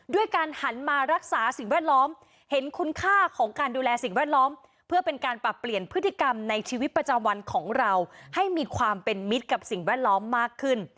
ด้วยการหันมารักษาสิ่งแวดล้อมเห็นคุณค่าของการดูแลสิ่งแวดล้อมเพื่อเป็นการปรับเปลี่ยนพฤติกรรมในชีวิตประจำวันของเราให้มีความเป็นมิตรกับสิ่งแวดล้อมมากขึ้น